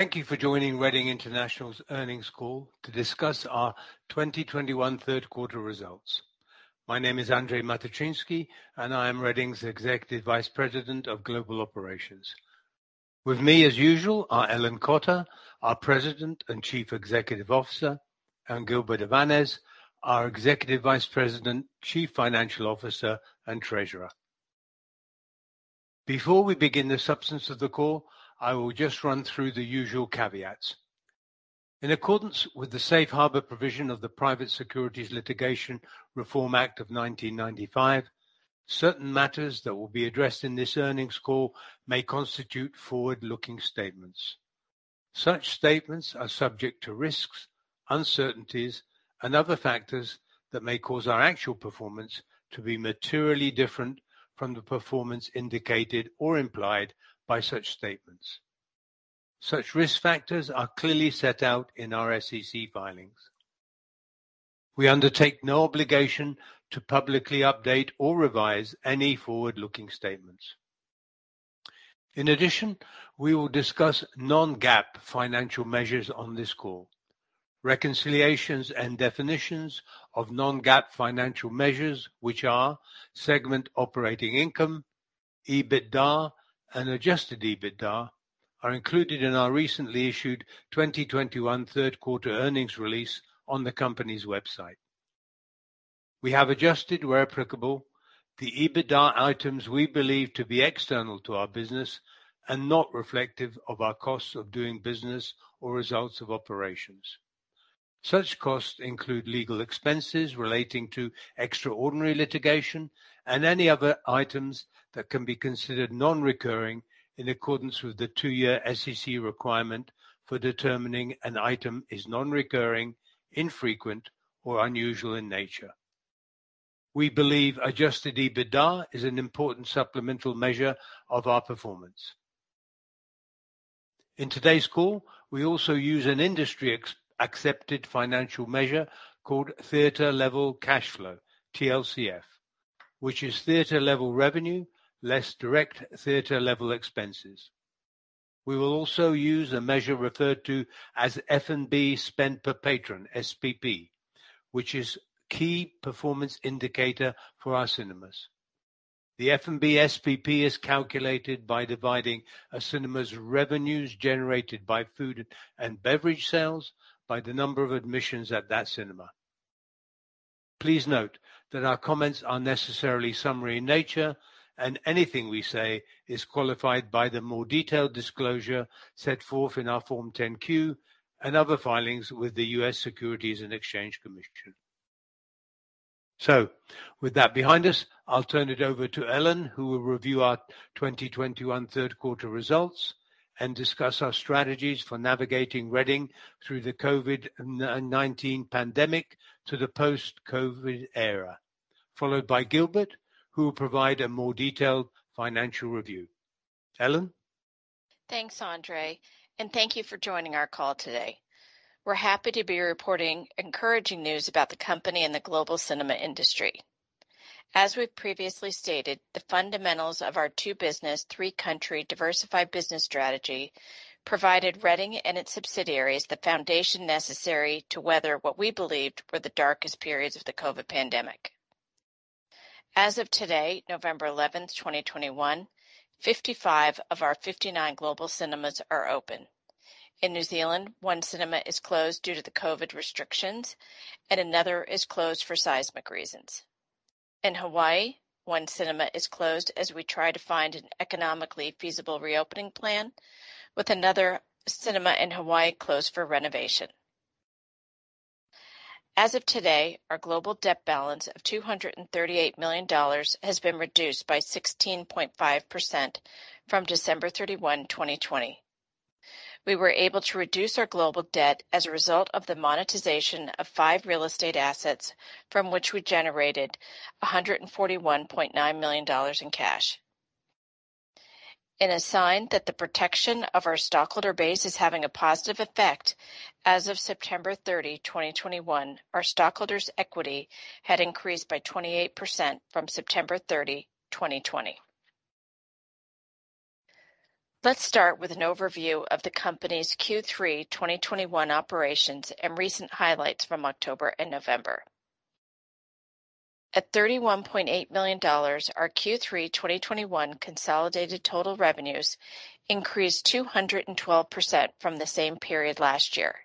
Thank you for joining Reading International's earnings call to discuss our 2021 Third Quarter Results. My name is Andrzej Matyczynski, and I am Reading's Executive Vice President of Global Operations. With me as usual are Ellen Cotter, our President and Chief Executive Officer, and Gilbert Avanes, our Executive Vice President, Chief Financial Officer, and Treasurer. Before we begin the substance of the call, I will just run through the usual caveats. In accordance with the safe harbor provision of the Private Securities Litigation Reform Act of 1995, certain matters that will be addressed in this earnings call may constitute forward-looking statements. Such statements are subject to risks, uncertainties, and other factors that may cause our actual performance to be materially different from the performance indicated or implied by such statements. Such risk factors are clearly set out in our SEC filings. We undertake no obligation to publicly update or revise any forward-looking statements. In addition, we will discuss non-GAAP financial measures on this call. Reconciliations and definitions of non-GAAP financial measures, which are segment operating income, EBITDA, and adjusted EBITDA, are included in our recently issued 2021 third quarter earnings release on the company's website. We have adjusted where applicable the EBITDA items we believe to be external to our business and not reflective of our costs of doing business or results of operations. Such costs include legal expenses relating to extraordinary litigation and any other items that can be considered non-recurring in accordance with the two-year SEC requirement for determining an item is non-recurring, infrequent, or unusual in nature. We believe adjusted EBITDA is an important supplemental measure of our performance. In today's call, we also use an industry-accepted financial measure called Theater Level Cash Flow, TLCF, which is theater level revenue less direct theater level expenses. We will also use a measure referred to as F&B Spend Per Patron, SPP, which is key performance indicator for our cinemas. The F&B SPP is calculated by dividing a cinema's revenues generated by food and beverage sales by the number of admissions at that cinema. Please note that our comments are necessarily summary in nature, and anything we say is qualified by the more detailed disclosure set forth in our Form 10-Q and other filings with the U.S. Securities and Exchange Commission. With that behind us, I'll turn it over to Ellen, who will review our 2021 third quarter results and discuss our strategies for navigating Reading through the COVID-19 pandemic to the post-COVID era, followed by Gilbert, who will provide a more detailed financial review. Ellen? Thanks, Andrzej, and thank you for joining our call today. We're happy to be reporting encouraging news about the company and the global cinema industry. As we've previously stated, the fundamentals of our two-business, three-country diversified business strategy provided Reading and its subsidiaries the foundation necessary to weather what we believed were the darkest periods of the COVID pandemic. As of today, November 11th, 2021, 55 of our 59 global cinemas are open. In New Zealand, one cinema is closed due to the COVID restrictions, and another is closed for seismic reasons. In Hawaii, one cinema is closed as we try to find an economically feasible reopening plan with another cinema in Hawaii closed for renovation. As of today, our global debt balance of $238 million has been reduced by 16.5% from December 31, 2020. We were able to reduce our global debt as a result of the monetization of five real estate assets from which we generated $141.9 million in cash. In a sign that the protection of our stockholder base is having a positive effect as of September 30, 2021, our stockholders' equity had increased by 28% from September 30, 2020. Let's start with an overview of the company's Q3 2021 operations and recent highlights from October and November. At $31.8 million, our Q3 2021 consolidated total revenues increased 212% from the same period last year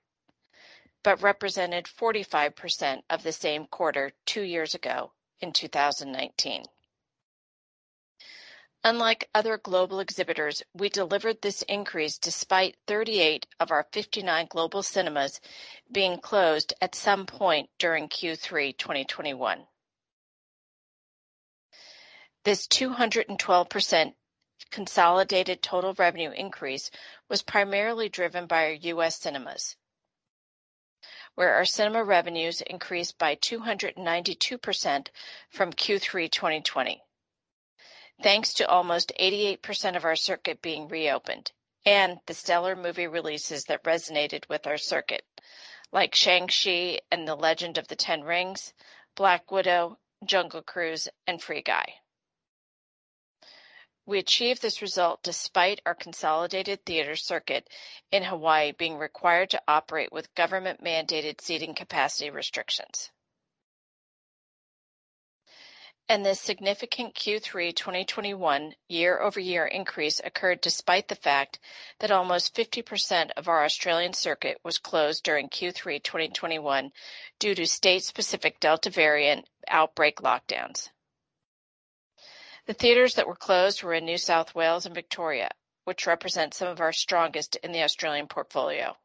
but represented 45% of the same quarter two years ago in 2019. Unlike other global exhibitors, we delivered this increase despite 38 of our 59 global cinemas being closed at some point during Q3 2021. This 212% consolidated total revenue increase was primarily driven by our U.S. cinemas, where our cinema revenues increased by 292% from Q3 2020. Thanks to almost 88% of our circuit being reopened and the stellar movie releases that resonated with our circuit like Shang-Chi and the Legend of the Ten Rings, Black Widow, Jungle Cruise, and Free Guy. We achieved this result despite our consolidated theater circuit in Hawaii being required to operate with government-mandated seating capacity restrictions. The significant Q3 2021 year-over-year increase occurred despite the fact that almost 50% of our Australian circuit was closed during Q3 2021 due to state-specific Delta variant outbreak lockdowns. The theaters that were closed were in New South Wales and Victoria, which represent some of our strongest in the Australian portfolio.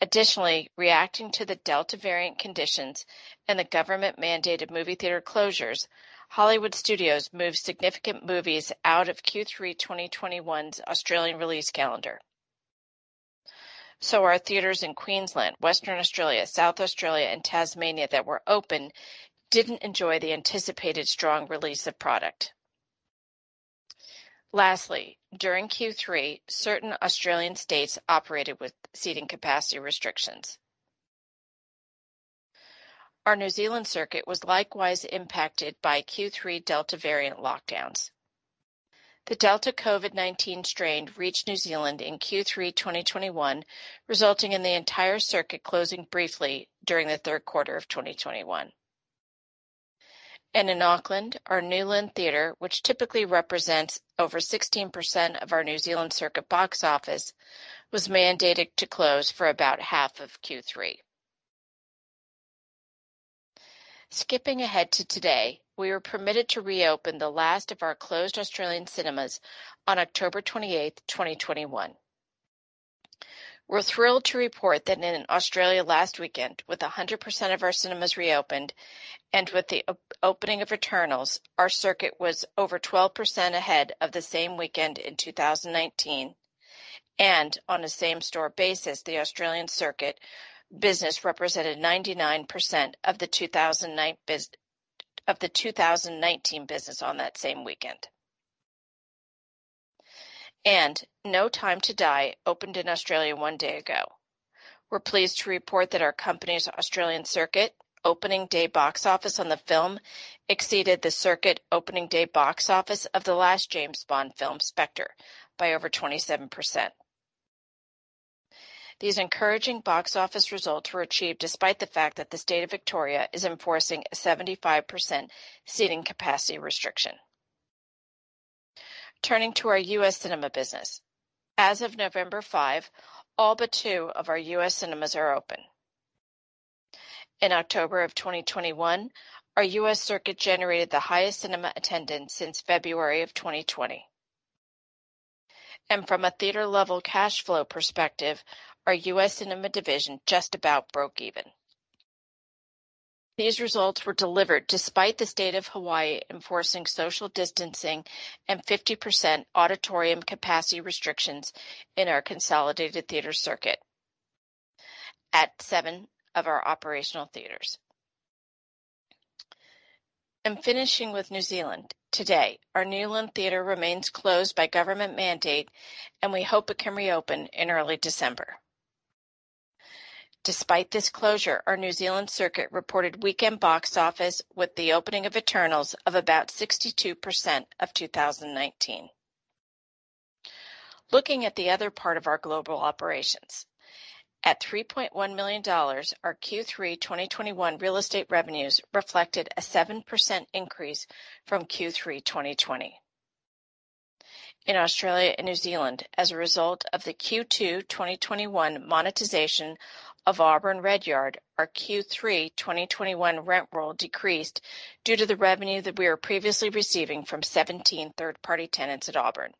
Additionally, reacting to the Delta variant conditions and the government-mandated movie theater closures, Hollywood Studios moved significant movies out of Q3 2021's Australian release calendar. Our theaters in Queensland, Western Australia, South Australia, and Tasmania that were open didn't enjoy the anticipated strong release of product. Lastly, during Q3, certain Australian states operated with seating capacity restrictions. Our New Zealand circuit was likewise impacted by Q3 Delta variant lockdowns. The Delta COVID-19 strain reached New Zealand in Q3 2021, resulting in the entire circuit closing briefly during the third quarter of 2021. In Auckland, our New Lynn Theatre, which typically represents over 16% of our New Zealand circuit box office, was mandated to close for about half of Q3. Skipping ahead to today, we were permitted to reopen the last of our closed Australian cinemas on October 28th, 2021. We're thrilled to report that in Australia last weekend, with 100% of our cinemas reopened and with the opening of Eternals, our circuit was over 12% ahead of the same weekend in 2019. On a same-store basis, the Australian circuit business represented 99% of the 2019 business on that same weekend. No Time to Die opened in Australia one day ago. We're pleased to report that our company's Australian circuit opening day box office on the film exceeded the circuit opening day box office of the last James Bond film, Spectre, by over 27%. These encouraging box office results were achieved despite the fact that the state of Victoria is enforcing a 75% seating capacity restriction. Turning to our U.S. cinema business. As of November 5, all but two of our U.S. cinemas are open. In October of 2021, our U.S. circuit generated the highest cinema attendance since February of 2020. From a theater-level cash flow perspective, our U.S. cinema division just about broke even. These results were delivered despite the state of Hawaii enforcing social distancing and 50% auditorium capacity restrictions in our consolidated theater circuit at seven of our operational theaters. Finishing with New Zealand. Today, our New Lynn Theatre remains closed by government mandate, and we hope it can reopen in early December. Despite this closure, our New Zealand circuit reported weekend box office with the opening of Eternals of about 62% of 2019. Looking at the other part of our global operations. At $3.1 million, our Q3 2021 real estate revenues reflected a 7% increase from Q3 2020. In Australia and New Zealand, as a result of the Q2 2021 monetization of Auburn Redyard, our Q3 2021 rent roll decreased due to the revenue that we were previously receiving from 17 third-party tenants at Auburn.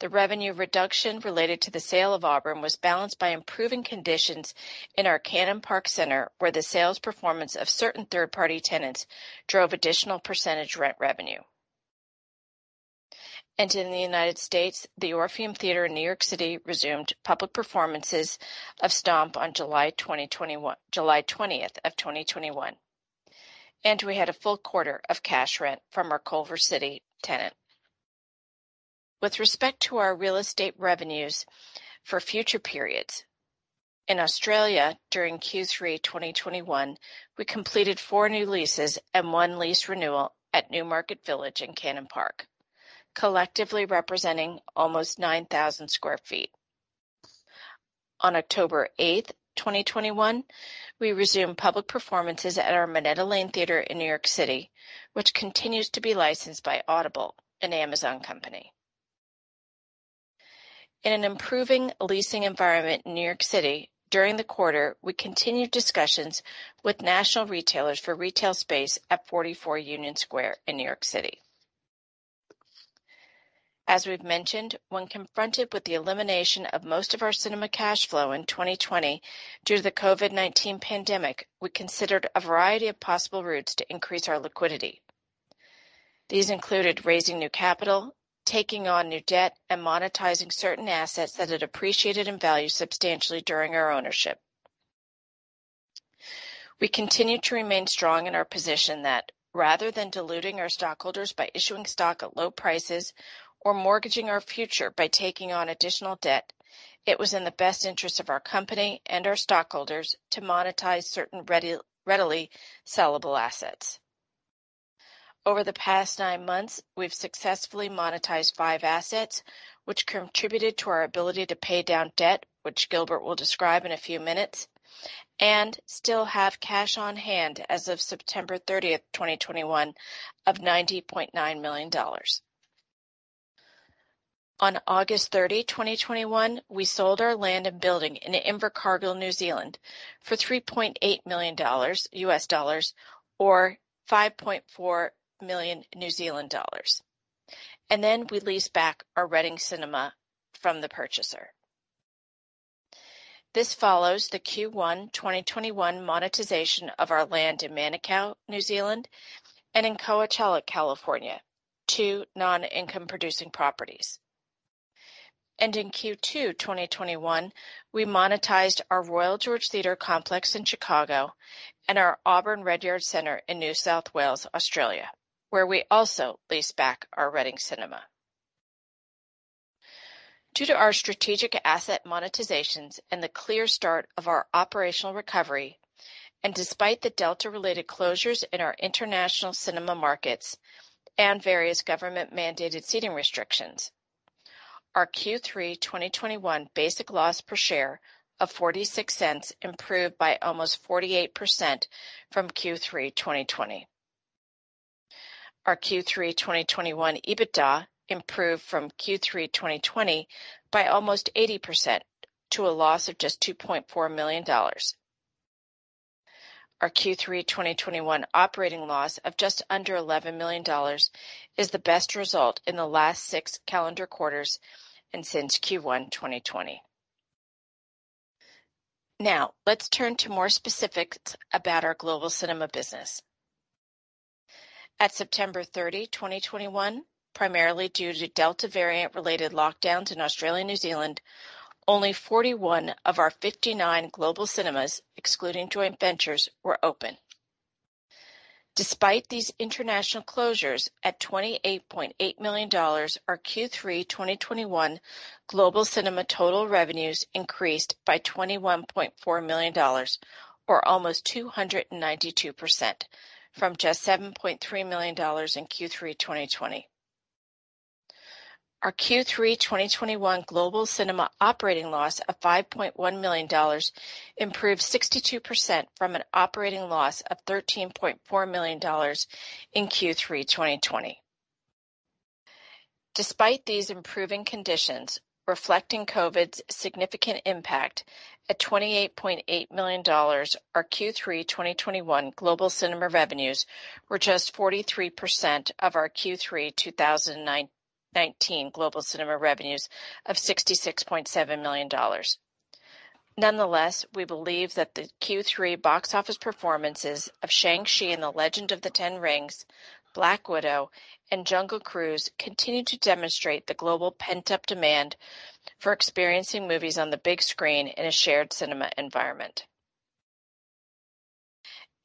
The revenue reduction related to the sale of Auburn was balanced by improving conditions in our Cannon Park Centre, where the sales performance of certain third-party tenants drove additional percentage rent revenue. In the United States, the Orpheum Theatre in New York City resumed public performances of STOMP on July 20th, 2021. We had a full quarter of cash rent from our Culver City tenant. With respect to our real estate revenues for future periods in Australia, during Q3 2021, we completed four new leases and one lease renewal at Newmarket Village in Cannon Park, collectively representing almost 9,000 sq ft. On October 8, 2021, we resumed public performances at our Minetta Lane Theatre in New York City, which continues to be licensed by Audible, an Amazon company. In an improving leasing environment in New York City, during the quarter, we continued discussions with national retailers for retail space at 44 Union Square in New York City. As we've mentioned, when confronted with the elimination of most of our cinema cash flow in 2020 due to the COVID-19 pandemic, we considered a variety of possible routes to increase our liquidity. These included raising new capital, taking on new debt, and monetizing certain assets that had appreciated in value substantially during our ownership. We continue to remain strong in our position that rather than diluting our stockholders by issuing stock at low prices or mortgaging our future by taking on additional debt, it was in the best interest of our company and our stockholders to monetize certain readily sellable assets. Over the past 9 months, we've successfully monetized five assets, which contributed to our ability to pay down debt, which Gilbert will describe in a few minutes, and still have cash on hand as of September 30th, 2021 of $90.9 million. On August 30, 2021, we sold our land and building in Invercargill, New Zealand for $3.8 million or 5.4 million New Zealand dollars. Then we leased back our Reading Cinema from the purchaser. This follows the Q1 2021 monetization of our land in Manukau, New Zealand, and in Coachella, California, two non-income producing properties. In Q2 2021, we monetized our Royal George Theatre complex in Chicago and our Auburn Redyard Center in New South Wales, Australia, where we also leased back our Reading Cinema. Due to our strategic asset monetizations and the clear start of our operational recovery, and despite the Delta-related closures in our international cinema markets and various government-mandated seating restrictions, our Q3 2021 basic loss per share of $0.46 improved by almost 48% from Q3 2020. Our Q3 2021 EBITDA improved from Q3 2020 by almost 80% to a loss of just $2.4 million. Our Q3 2021 operating loss of just under $11 million is the best result in the last six calendar quarters and since Q1 2020. Now, let's turn to more specifics about our global cinema business. At September 30, 2021, primarily due to Delta variant-related lockdowns in Australia and New Zealand, only 41 of our 59 global cinemas, excluding joint ventures, were open. Despite these international closures at $28.8 million, our Q3 2021 global cinema total revenues increased by $21.4 million or almost 292% from just $7.3 million in Q3 2020. Our Q3 2021 global cinema operating loss of $5.1 million improved 62% from an operating loss of $13.4 million in Q3 2020. Despite these improving conditions reflecting COVID's significant impact at $28.8 million, our Q3 2021 global cinema revenues were just 43% of our Q3 2019 global cinema revenues of $66.7 million. Nonetheless, we believe that the Q3 box office performances of Shang-Chi and the Legend of the Ten Rings, Black Widow, and Jungle Cruise continued to demonstrate the global pent-up demand for experiencing movies on the big screen in a shared cinema environment.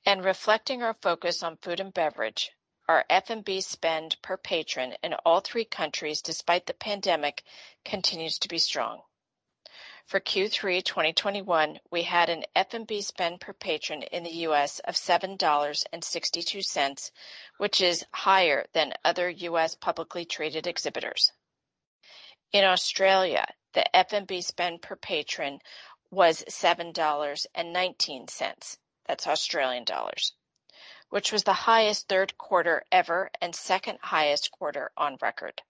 Reflecting our focus on food and beverage, our F&B Spend Per Patron in all three countries, despite the pandemic, continues to be strong. For Q3 2021, we had an F&B Spend Per Patron in the U.S. of $7.62, which is higher than other U.S. publicly traded exhibitors. In Australia, the F&B Spend Per Patron was 7.19 dollars. That's Australian dollars, which was the highest third quarter ever and second highest quarter on record.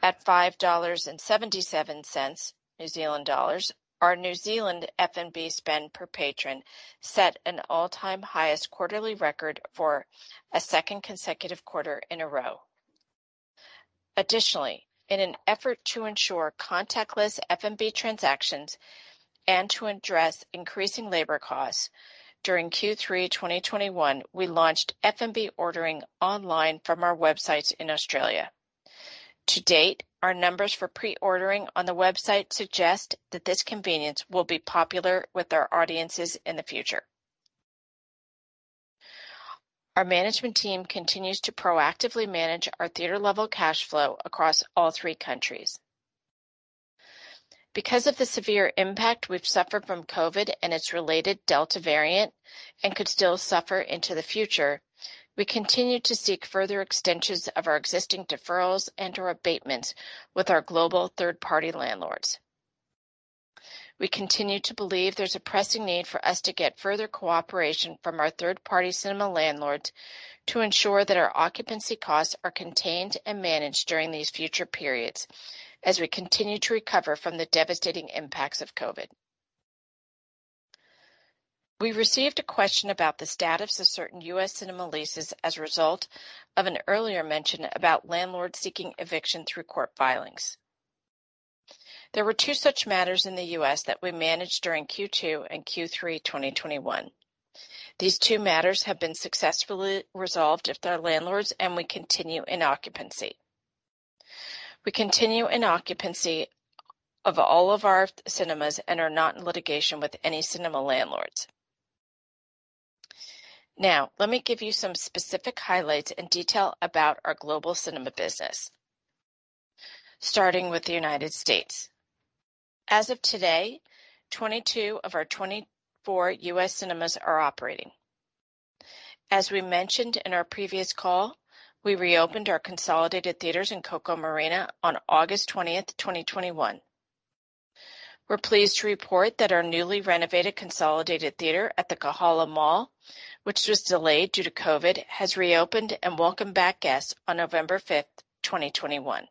At 5.77 New Zealand dollars, our New Zealand F&B Spend Per Patron set an all-time highest quarterly record for a second consecutive quarter in a row. Additionally, in an effort to ensure contactless F&B transactions and to address increasing labor costs during Q3 2021, we launched F&B ordering online from our websites in Australia. To date, our numbers for pre-ordering on the website suggest that this convenience will be popular with our audiences in the future. Our management team continues to proactively manage our theater-level cash flow across all three countries. Because of the severe impact we've suffered from COVID and its related Delta variant and could still suffer into the future, we continue to seek further extensions of our existing deferrals and/or abatements with our global third-party landlords. We continue to believe there's a pressing need for us to get further cooperation from our third-party cinema landlords to ensure that our occupancy costs are contained and managed during these future periods as we continue to recover from the devastating impacts of COVID. We received a question about the status of certain U.S. cinema leases as a result of an earlier mention about landlords seeking eviction through court filings. There were two such matters in the U.S. that we managed during Q2 and Q3 2021. These two matters have been successfully resolved with their landlords, and we continue in occupancy. We continue in occupancy of all of our cinemas and are not in litigation with any cinema landlords. Now, let me give you some specific highlights and detail about our global cinema business. Starting with the United States. As of today, 22 of our 24 U.S. cinemas are operating. As we mentioned in our previous call, we reopened our consolidated theaters in Koko Marina on August 20, 2021. We're pleased to report that our newly renovated consolidated theater at the Kahala Mall, which was delayed due to COVID, has reopened and welcomed back guests on November 5, 2021.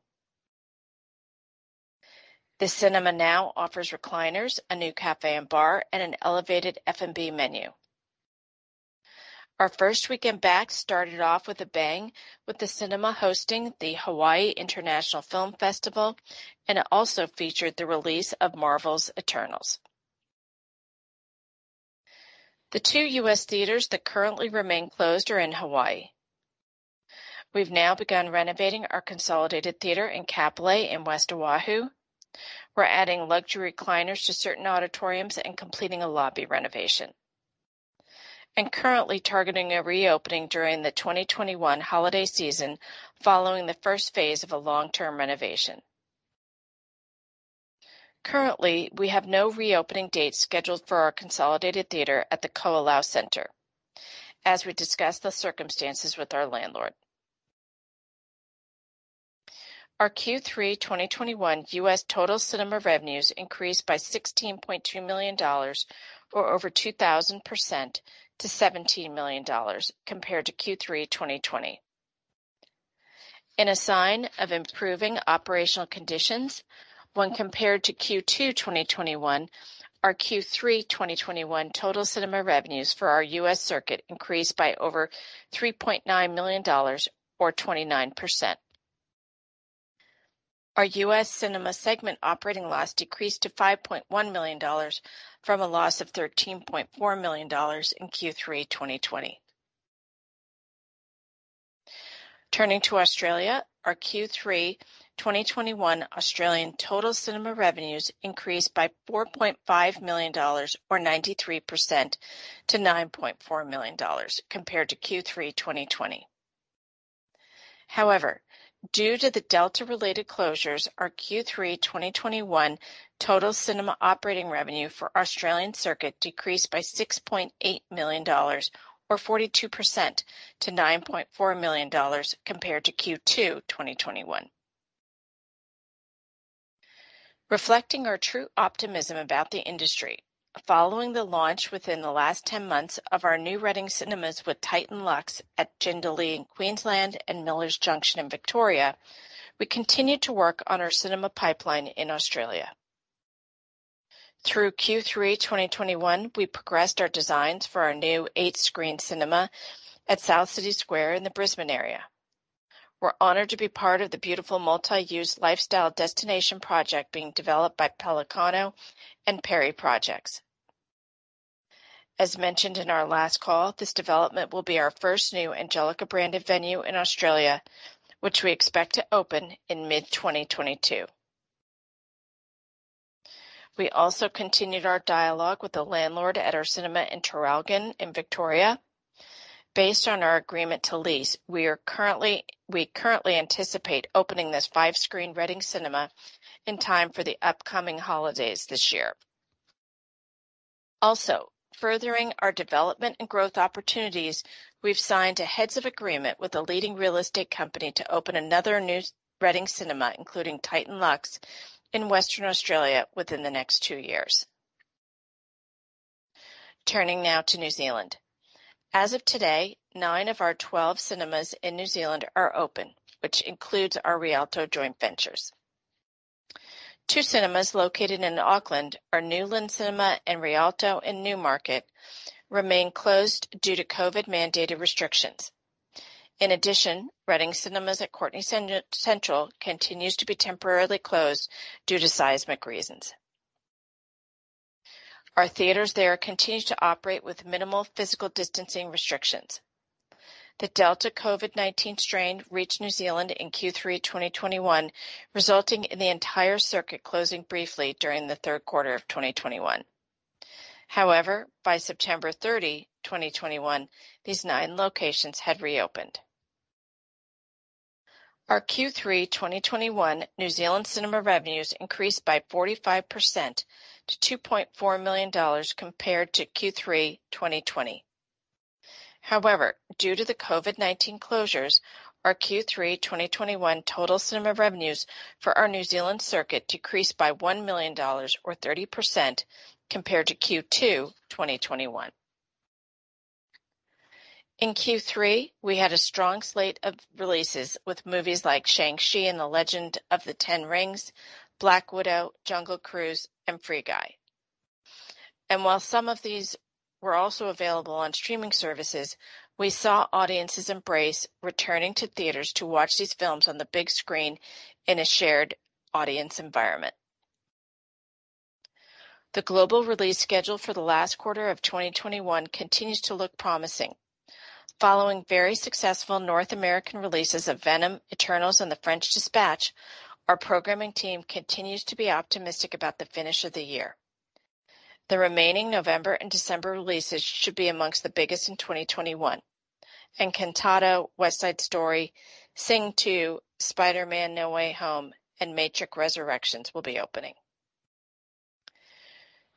The cinema now offers recliners, a new cafe and bar, and an elevated F&B menu. Our first weekend back started off with a bang with the cinema hosting the Hawai'i International Film Festival, and it also featured the release of Marvel's Eternals. The two U.S. theaters that currently remain closed are in Hawaii. We've now begun renovating our consolidated theater in Kapolei in West Oahu. We're adding luxury recliners to certain auditoriums and completing a lobby renovation, and currently targeting a reopening during the 2021 holiday season following the first phase of a long-term renovation. Currently, we have no reopening date scheduled for our consolidated theater at the Ko Olina Center as we discuss the circumstances with our landlord. Our Q3 2021 U.S. total cinema revenues increased by $16.2 million or over 2,000% to $17 million compared to Q3 2020. In a sign of improving operational conditions when compared to Q2 2021, our Q3 2021 total cinema revenues for our U.S. circuit increased by over $3.9 million or 29%. Our U.S. cinema segment operating loss decreased to $5.1 million from a loss of $13.4 million in Q3 2020. Turning to Australia, our Q3 2021 Australian total cinema revenues increased by $4.5 million or 93% to $9.4 million compared to Q3 2020. However, due to the Delta-related closures, our Q3 2021 total cinema operating revenue for Australian circuit decreased by $6.8 million or 42% to $9.4 million compared to Q2 2021. Reflecting our true optimism about the industry following the launch within the last 10 months of our new Reading Cinemas with TITAN LUXE at Jindalee in Queensland and Millers Junction in Victoria, we continued to work on our cinema pipeline in Australia. Through Q3 2021, we progressed our designs for our new 8-screen cinema at South City Square in the Brisbane area. We're honored to be part of the beautiful multi-use lifestyle destination project being developed by Pellicano and Perri Projects. As mentioned in our last call, this development will be our first new Angelika-branded venue in Australia, which we expect to open in mid-2022. We also continued our dialogue with the landlord at our cinema in Traralgon in Victoria. Based on our agreement to lease, we currently anticipate opening this five-screen Reading Cinema in time for the upcoming holidays this year. Also, furthering our development and growth opportunities, we've signed a heads of agreement with a leading real estate company to open another new Reading Cinema, including TITAN LUXE in Western Australia within the next two years. Turning now to New Zealand. As of today, nine of our 12 cinemas in New Zealand are open, which includes our Rialto joint ventures. Two cinemas located in Auckland, our New Lynn Cinema and Rialto in Newmarket, remain closed due to COVID-mandated restrictions. In addition, Reading Cinemas at Courtenay Central continues to be temporarily closed due to seismic reasons. Our theaters there continue to operate with minimal physical distancing restrictions. The Delta variant reached New Zealand in Q3 2021, resulting in the entire circuit closing briefly during the third quarter of 2021. However, by September 30, 2021, these nine locations had reopened. Our Q3 2021 New Zealand cinema revenues increased by 45% to $2.4 million compared to Q3 2020. However, due to the COVID-19 closures, our Q3 2021 total cinema revenues for our New Zealand circuit decreased by $1 million or 30% compared to Q2 2021. In Q3, we had a strong slate of releases with movies like Shang-Chi and the Legend of the Ten Rings, Black Widow, Jungle Cruise, and Free Guy. While some of these were also available on streaming services, we saw audiences embrace returning to theaters to watch these films on the big screen in a shared audience environment. The global release schedule for the last quarter of 2021 continues to look promising. Following very successful North American releases of Venom, Eternals, and The French Dispatch, our programming team continues to be optimistic about the finish of the year. The remaining November and December releases should be among the biggest in 2021. Encanto, West Side Story, Sing 2, Spider-Man: No Way Home, and The Matrix Resurrections will be opening.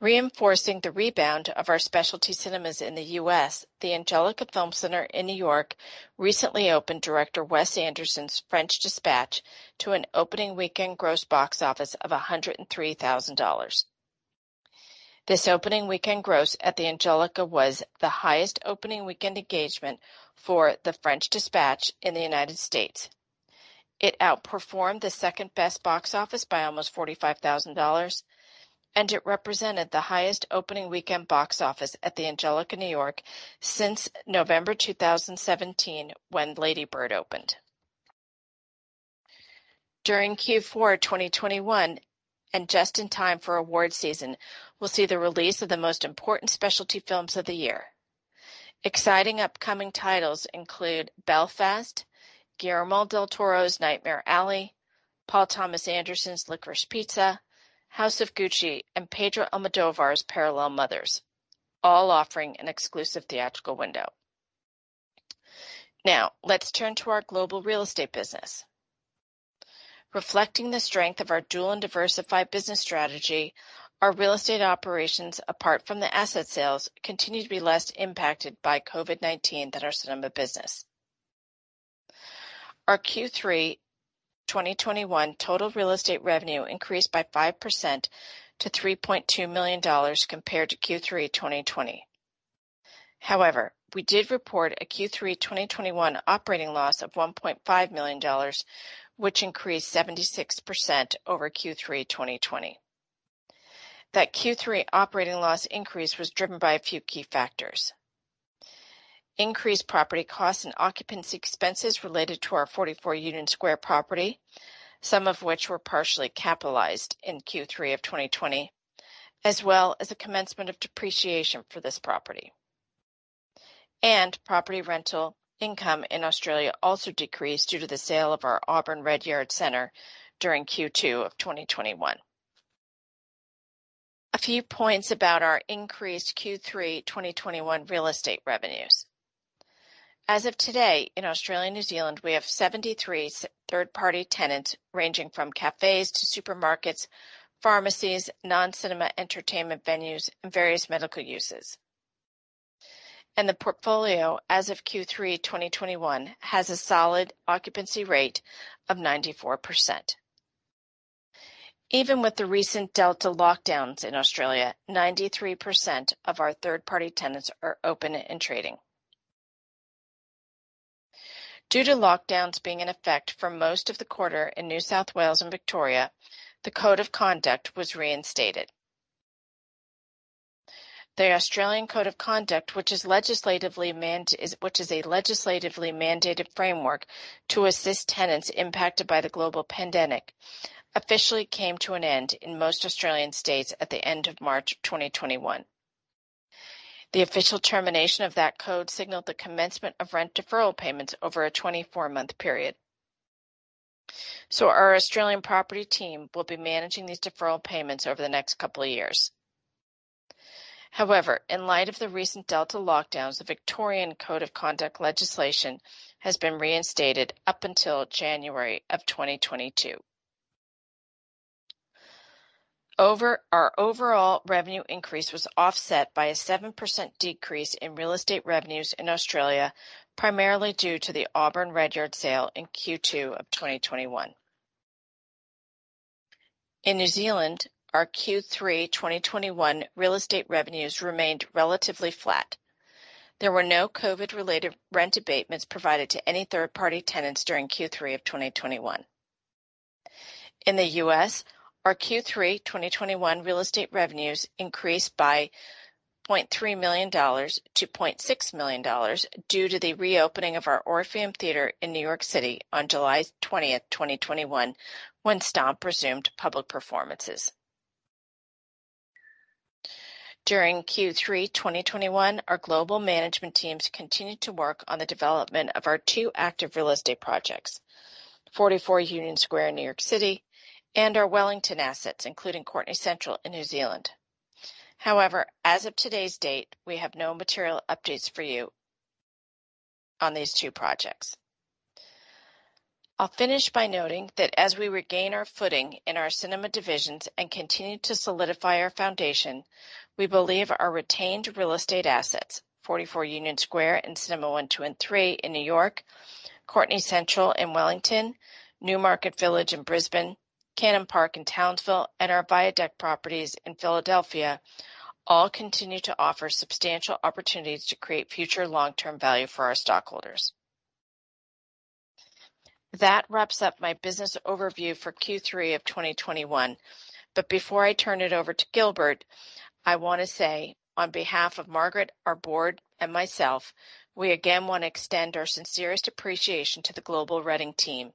Reinforcing the rebound of our specialty cinemas in the U.S., the Angelika Film Center in New York recently opened Director Wes Anderson's The French Dispatch to an opening weekend gross box office of $103,000. This opening weekend gross at the Angelika was the highest opening weekend engagement for The French Dispatch in the United States. It outperformed the second-best box office by almost $45,000, and it represented the highest opening weekend box office at the Angelika New York since November 2017 when Lady Bird opened. During Q4 of 2021, and just in time for award season, we'll see the release of the most important specialty films of the year. Exciting upcoming titles include Belfast, Guillermo del Toro's Nightmare Alley, Paul Thomas Anderson's Licorice Pizza, House of Gucci, and Pedro Almodóvar's Parallel Mothers, all offering an exclusive theatrical window. Now, let's turn to our global real estate business. Reflecting the strength of our dual and diversified business strategy, our real estate operations, apart from the asset sales, continue to be less impacted by COVID-19 than our cinema business. Our Q3 2021 total real estate revenue increased by 5% to $3.2 million compared to Q3 2020. However, we did report a Q3 2021 operating loss of $1.5 million, which increased 76% over Q3 2020. That Q3 operating loss increase was driven by a few key factors. Increased property costs and occupancy expenses related to our 44 Union Square property, some of which were partially capitalized in Q3 of 2020, as well as a commencement of depreciation for this property. Property rental income in Australia also decreased due to the sale of our Auburn Redyard center during Q2 of 2021. A few points about our increased Q3 2021 real estate revenues. As of today, in Australia and New Zealand, we have 73 third-party tenants ranging from cafes to supermarkets, pharmacies, non-cinema entertainment venues, and various medical uses. The portfolio as of Q3 2021 has a solid occupancy rate of 94%. Even with the recent Delta lockdowns in Australia, 93% of our third-party tenants are open and trading. Due to lockdowns being in effect for most of the quarter in New South Wales and Victoria, the Code of Conduct was reinstated. The Australian Code of Conduct, which is a legislatively mandated framework to assist tenants impacted by the global pandemic, officially came to an end in most Australian states at the end of March 2021. The official termination of that code signaled the commencement of rent deferral payments over a 24-month period. Our Australian property team will be managing these deferral payments over the next couple of years. However, in light of the recent Delta lockdowns, the Victorian Code of Conduct legislation has been reinstated up until January 2022. Our overall revenue increase was offset by a 7% decrease in real estate revenues in Australia, primarily due to the Auburn Redyard sale in Q2 of 2021. In New Zealand, our Q3 2021 real estate revenues remained relatively flat. There were no COVID-related rent abatements provided to any third-party tenants during Q3 of 2021. In the U.S., our Q3 2021 real estate revenues increased by $0.3 million to $0.6 million due to the reopening of our Orpheum Theatre in New York City on July 20th, 2021 when STOMP resumed public performances. During Q3 2021, our global management teams continued to work on the development of our two active real estate projects, 44 Union Square in New York City and our Wellington assets, including Courtenay Central in New Zealand. However, as of today's date, we have no material updates for you on these two projects. I'll finish by noting that as we regain our footing in our cinema divisions and continue to solidify our foundation, we believe our retained real estate assets, 44 Union Square and Cinema 1, 2, and 3 in New York, Courtenay Central in Wellington, Newmarket Village in Brisbane, Cannon Park in Townsville, and our Viaduct properties in Philadelphia, all continue to offer substantial opportunities to create future long-term value for our stockholders. That wraps up my business overview for Q3 of 2021. Before I turn it over to Gilbert, I want to say on behalf of Margaret, our board, and myself, we again want to extend our sincerest appreciation to the global Reading team.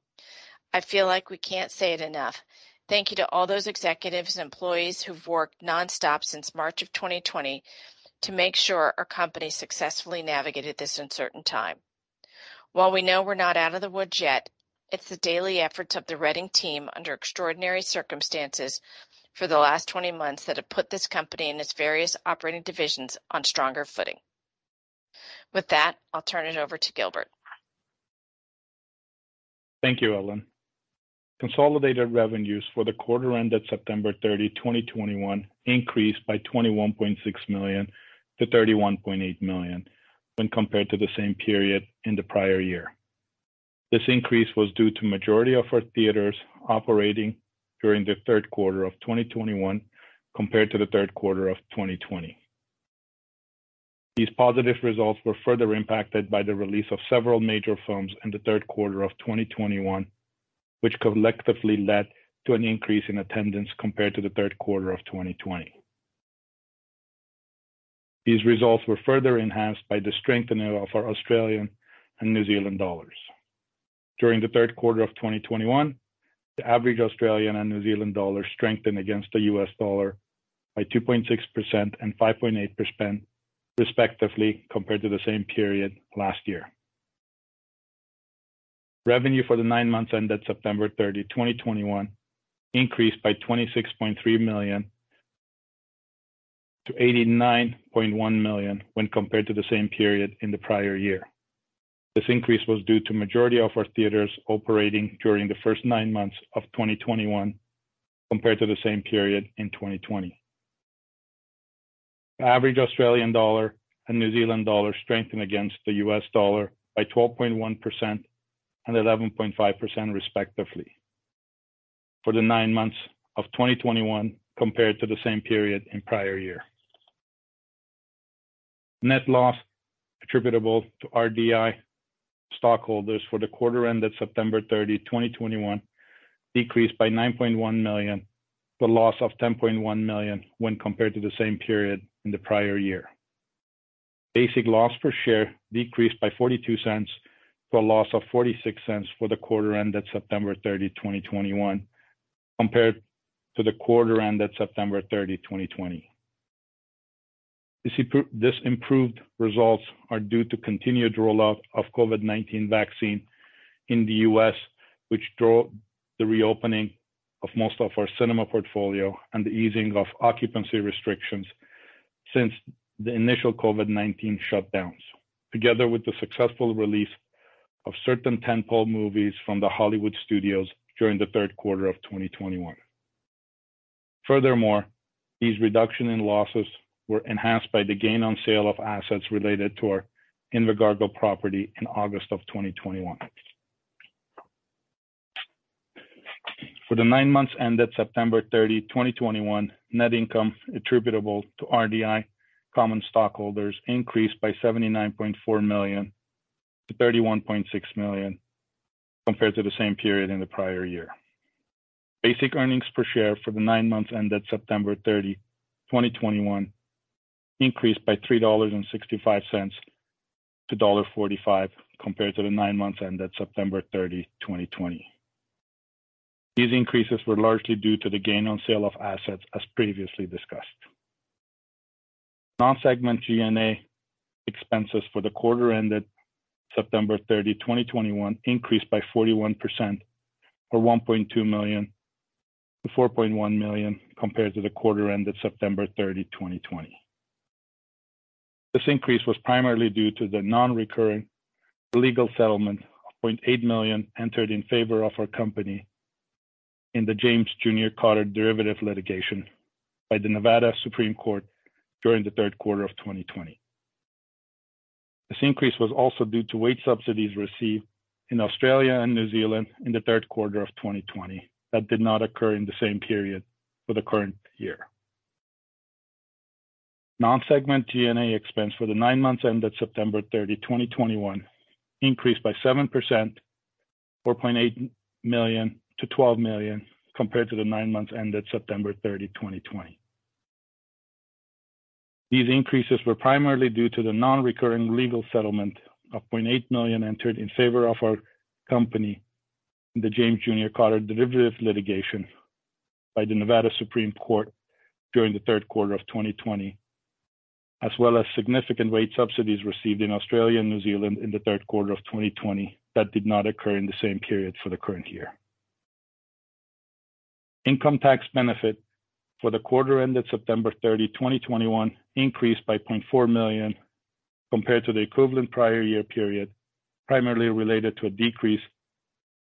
I feel like we can't say it enough. Thank you to all those executives, employees who've worked nonstop since March 2020 to make sure our company successfully navigated this uncertain time. While we know we're not out of the woods yet, it's the daily efforts of the Reading team under extraordinary circumstances for the last 20 months that have put this company and its various operating divisions on stronger footing. With that, I'll turn it over to Gilbert. Thank you, Ellen. Consolidated revenues for the quarter ended September 30, 2021 increased by $21.6 million to $31.8 million when compared to the same period in the prior year. This increase was due to majority of our theaters operating during the third quarter of 2021 compared to the third quarter of 2020. These positive results were further impacted by the release of several major films in the third quarter of 2021, which collectively led to an increase in attendance compared to the third quarter of 2020. These results were further enhanced by the strengthening of our Australian and New Zealand dollars. During the third quarter of 2021, the average Australian and New Zealand dollar strengthened against the U.S. dollar by 2.6% and 5.8% respectively, compared to the same period last year. Revenue for the nine months ended September 30, 2021 increased by $26.3 million to $89.1 million when compared to the same period in the prior year. This increase was due to majority of our theaters operating during the first nine months of 2021 compared to the same period in 2020. Average Australian dollar and New Zealand dollar strengthened against the U.S. dollar by 12.1% and 11.5% respectively for the nine months of 2021 compared to the same period in prior year. Net loss attributable to RDI stockholders for the quarter ended September 30, 2021 decreased by $9.1 million, the loss of $10.1 million when compared to the same period in the prior year. Basic loss per share decreased by $0.42 to a loss of $0.46 for the quarter ended September 30, 2021, compared to the quarter ended September 30, 2020. These improved results are due to continued rollout of COVID-19 vaccine in the U.S., which drove the reopening of most of our cinema portfolio and the easing of occupancy restrictions since the initial COVID-19 shutdowns, together with the successful release of certain tentpole movies from the Hollywood studios during the third quarter of 2021. Furthermore, these reductions in losses were enhanced by the gain on sale of assets related to our Invercargill property in August of 2021. For the nine months ended September 30, 2021, net income attributable to RDI common stockholders increased by $79.4 million to $31.6 million compared to the same period in the prior year. Basic earnings per share for the nine months ended September 30, 2021 increased by $3.65 to $1.45 compared to the nine months ended September 30, 2020. These increases were largely due to the gain on sale of assets, as previously discussed. Non-segment G&A expenses for the quarter ended September 30, 2021 increased by 41% or $1.2 million to $4.1 million compared to the quarter ended September 30, 2020. This increase was primarily due to the non-recurring legal settlement of $0.8 million entered in favor of our company in the James J. Cotter Jr. derivative litigation by the Nevada Supreme Court during the third quarter of 2020. This increase was also due to wage subsidies received in Australia and New Zealand in the third quarter of 2020. That did not occur in the same period for the current year. Non-segment G&A expense for the nine months ended September 30, 2021 increased by 7%, or $0.8 million to $12 million, compared to the nine months ended September 30, 2020. These increases were primarily due to the non-recurring legal settlement of $0.8 million entered in favor of our company, the James J. Cotter Jr. derivative litigation by the Nevada Supreme Court during the third quarter of 2020, as well as significant wage subsidies received in Australia and New Zealand in the third quarter of 2020. That did not occur in the same period for the current year. Income tax benefit for the quarter ended September 30, 2021 increased by $0.4 million compared to the equivalent prior year period, primarily related to a decrease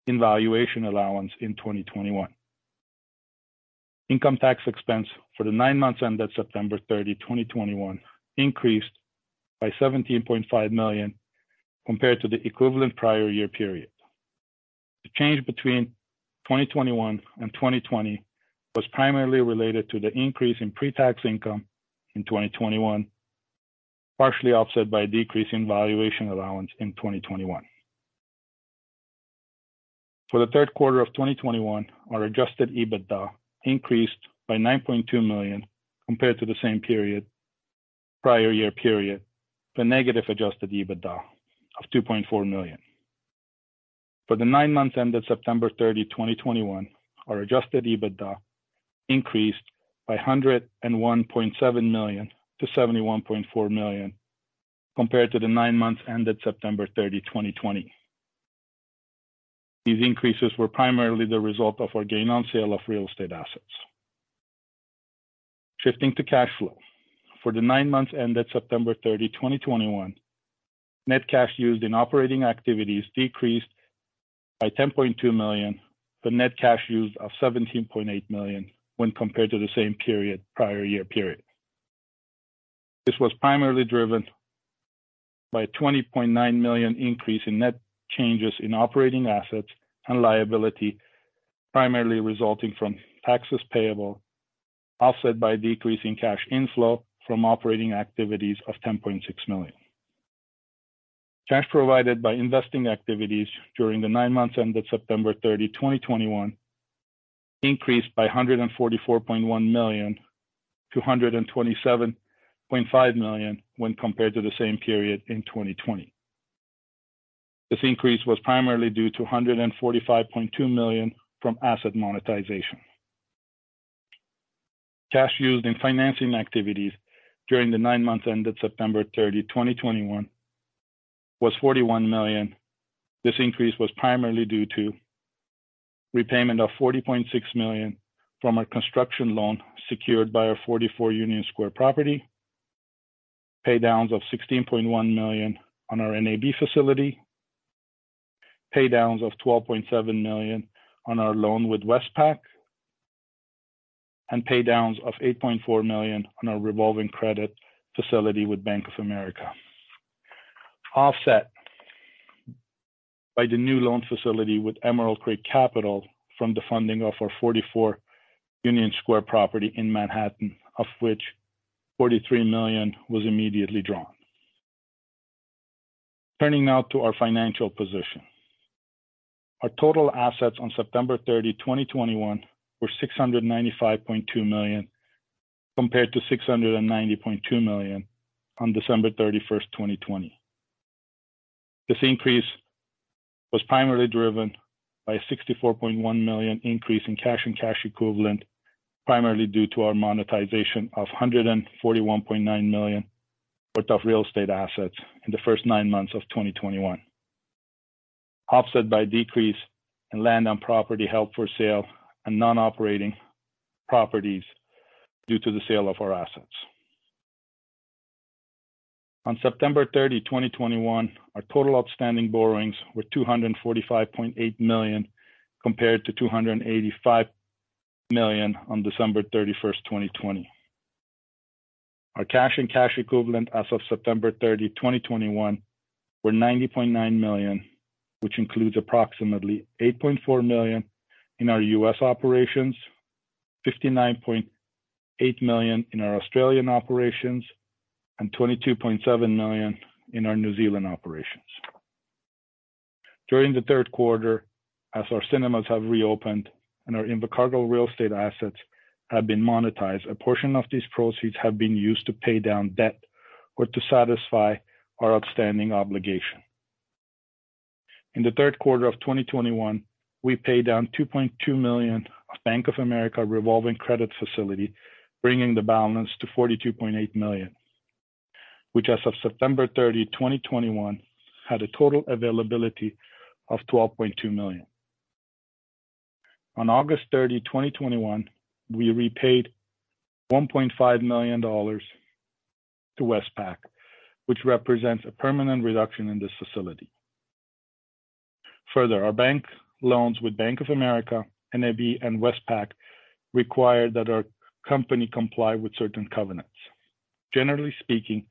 in valuation allowance in 2021. Income tax expense for the nine months ended September 30, 2021 increased by $17.5 million compared to the equivalent prior year period. The change between 2021 and 2020 was primarily related to the increase in pre-tax income in 2021, partially offset by a decrease in valuation allowance in 2021. For the third quarter of 2021, our adjusted EBITDA increased by $9.2 million compared to the same period prior year, to a negative adjusted EBITDA of $2.4 million. For the nine months ended September 30, 2021, our adjusted EBITDA increased by $101.7 million to $71.4 million compared to the nine months ended September 30, 2020. These increases were primarily the result of our gain on sale of real estate assets. Shifting to cash flow. For the nine months ended September 30, 2021, net cash used in operating activities decreased by $10.2 million. The net cash used of $17.8 million when compared to the same period in the prior year. This was primarily driven by a $20.9 million increase in net changes in operating assets and liabilities, primarily resulting from taxes payable, offset by decrease in cash inflow from operating activities of $10.6 million. Cash provided by investing activities during the nine months ended September 30, 2021 increased by $144.1 million to $127.5 million when compared to the same period in 2020. This increase was primarily due to $145.2 million from asset monetization. Cash used in financing activities during the nine months ended September 30, 2021 was $41 million. This increase was primarily due to repayment of $40.6 million from our construction loan secured by our 44 Union Square property, pay downs of $16.1 million on our NAB facility, pay downs of $12.7 million on our loan with Westpac, and pay downs of $8.4 million on our revolving credit facility with Bank of America. Offset by the new loan facility with Emerald Creek Capital from the funding of our 44 Union Square property in Manhattan, of which $43 million was immediately drawn. Turning now to our financial position. Our total assets on September 30, 2021 were $695.2 million, compared to $690.2 million on December 31st, 2020. This increase was primarily driven by a $64.1 million increase in cash and cash equivalents, primarily due to our monetization of $141.9 million worth of real estate assets in the first nine months of 2021, offset by a decrease in land and property held for sale and non-operating properties due to the sale of our assets. On September 30, 2021, our total outstanding borrowings were $245.8 million, compared to $285 million on December 31st, 2020. Our cash and cash equivalents as of September 30, 2021 were $90.9 million, which includes approximately $8.4 million in our U.S. operations, $59.8 million in our Australian operations, and $22.7 million in our New Zealand operations. During the third quarter, as our cinemas have reopened and our Invercargill real estate assets have been monetized, a portion of these proceeds have been used to pay down debt or to satisfy our outstanding obligation. In the third quarter of 2021, we paid down $2.2 million of Bank of America revolving credit facility, bringing the balance to $42.8 million, which as of September 30, 2021, had a total availability of $12.2 million. On August 30, 2021, we repaid $1.5 million to Westpac, which represents a permanent reduction in this facility. Further, our bank loans with Bank of America, NAB and Westpac require that our company comply with certain covenants. Generally speaking,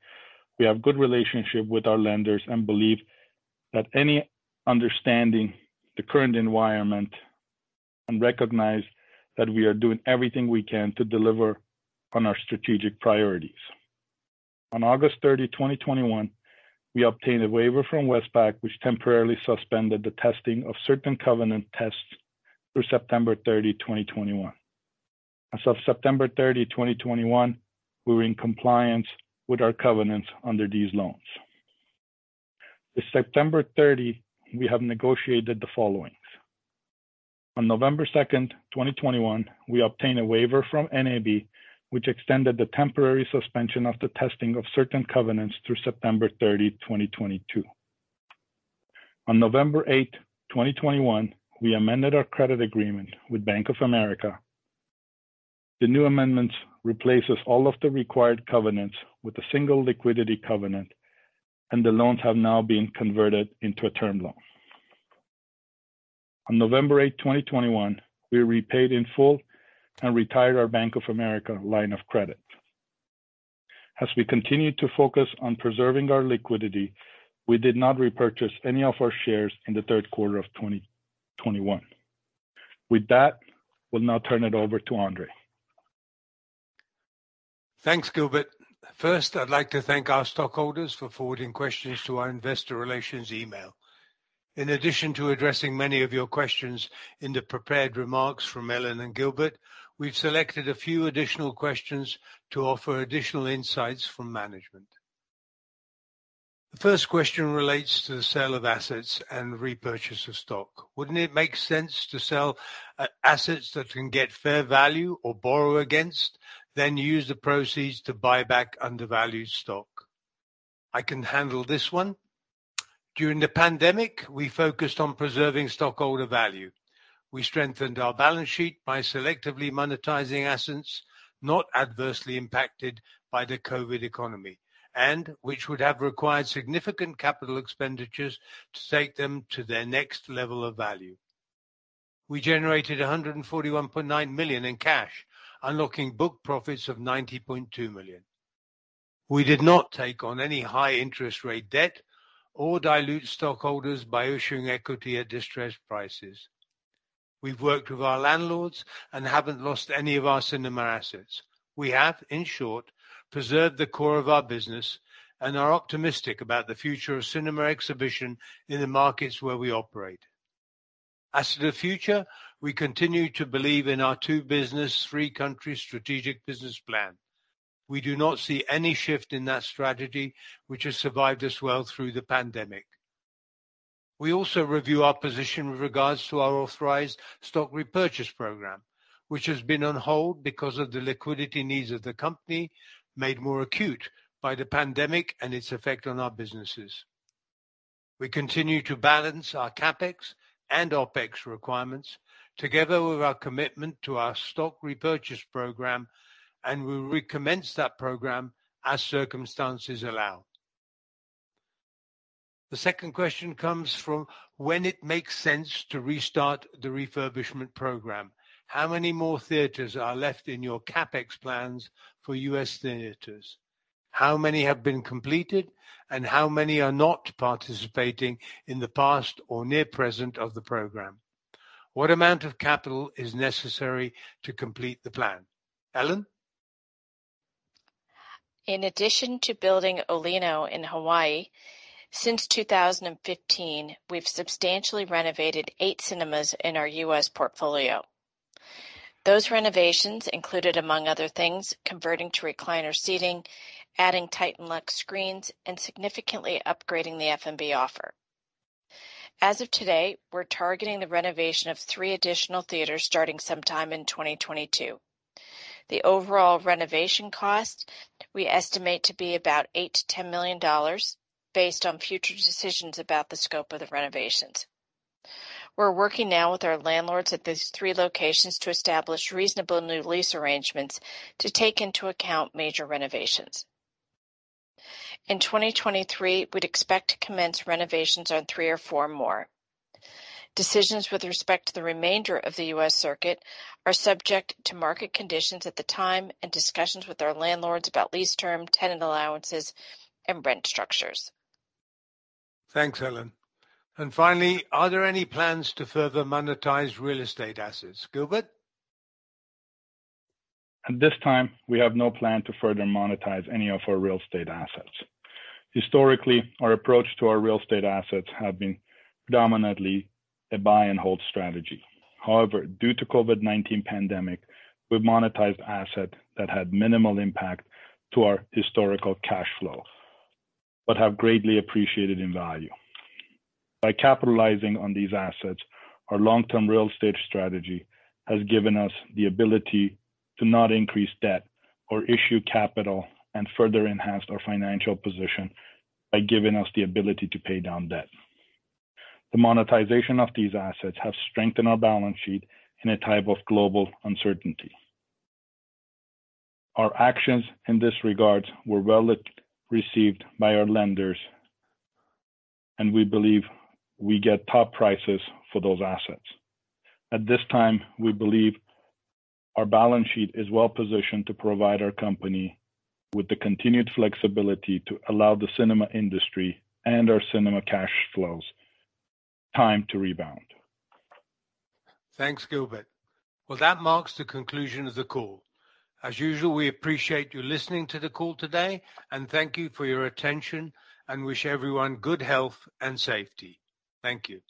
we have a good relationship with our lenders and believe that they understand the current environment and recognize that we are doing everything we can to deliver on our strategic priorities. On August 30, 2021, we obtained a waiver from Westpac, which temporarily suspended the testing of certain covenant tests through September 30, 2021. As of September 30, 2021, we were in compliance with our covenants under these loans. As of September 30, we have negotiated the following. On November 2nd, 2021, we obtained a waiver from NAB, which extended the temporary suspension of the testing of certain covenants through September 30, 2022. On November 8th, 2021, we amended our credit agreement with Bank of America. The new amendments replace all of the required covenants with a single liquidity covenant, and the loans have now been converted into a term loan. On November 8, 2021, we repaid in full and retired our Bank of America line of credit. As we continue to focus on preserving our liquidity, we did not repurchase any of our shares in the third quarter of 2021. With that, we'll now turn it over to Andrzej. Thanks, Gilbert. First, I'd like to thank our stockholders for forwarding questions to our investor relations email. In addition to addressing many of your questions in the prepared remarks from Ellen and Gilbert, we've selected a few additional questions to offer additional insights from management. The first question relates to the sale of assets and repurchase of stock. Wouldn't it make sense to sell assets that can get fair value or borrow against, then use the proceeds to buy back undervalued stock? I can handle this one. During the pandemic, we focused on preserving stockholder value. We strengthened our balance sheet by selectively monetizing assets not adversely impacted by the COVID economy and which would have required significant capital expenditures to take them to their next level of value. We generated $141.9 million in cash, unlocking book profits of $90.2 million. We did not take on any high interest rate debt or dilute stockholders by issuing equity at distressed prices. We've worked with our landlords and haven't lost any of our cinema assets. We have, in short, preserved the core of our business and are optimistic about the future of cinema exhibition in the markets where we operate. As to the future, we continue to believe in our two-business, three-country strategic business plan. We do not see any shift in that strategy which has served us well through the pandemic. We also reviewed our position with regards to our authorized stock repurchase program, which has been on hold because of the liquidity needs of the company, made more acute by the pandemic and its effect on our businesses. We continue to balance our CapEx and OpEx requirements together with our commitment to our stock repurchase program, and we'll recommence that program as circumstances allow. The second question is when it makes sense to restart the refurbishment program. How many more theaters are left in your CapEx plans for U.S. theaters? How many have been completed, and how many are not participating in the past or near-present phase of the program? What amount of capital is necessary to complete the plan? Ellen? In addition to building ʻŌlino in Hawaii, since 2015, we've substantially renovated eight cinemas in our U.S. portfolio. Those renovations included, among other things, converting to recliner seating, adding TITAN LUXE screens, and significantly upgrading the F&B offer. As of today, we're targeting the renovation of three additional theaters starting sometime in 2022. The overall renovation cost, we estimate to be about $8 million-$10 million based on future decisions about the scope of the renovations. We're working now with our landlords at these 3 locations to establish reasonable new lease arrangements to take into account major renovations. In 2023, we'd expect to commence renovations on 3 or 4 more. Decisions with respect to the remainder of the U.S. circuit are subject to market conditions at the time and discussions with our landlords about lease term, tenant allowances, and rent structures. Thanks, Ellen. Finally, are there any plans to further monetize real estate assets? Gilbert? At this time, we have no plan to further monetize any of our real estate assets. Historically, our approach to our real estate assets have been dominantly a buy and hold strategy. However, due to COVID-19 pandemic, we've monetized assets that had minimal impact to our historical cash flow but have greatly appreciated in value. By capitalizing on these assets, our long-term real estate strategy has given us the ability to not increase debt or issue capital and further enhanced our financial position by giving us the ability to pay down debt. The monetization of these assets have strengthened our balance sheet in a time of global uncertainty. Our actions in this regard were well received by our lenders, and we believe we get top prices for those assets. At this time, we believe our balance sheet is well positioned to provide our company with the continued flexibility to allow the cinema industry and our cinema cash flows time to rebound. Thanks, Gilbert. Well, that marks the conclusion of the call. As usual, we appreciate you listening to the call today and thank you for your attention and wish everyone good health and safety. Thank you.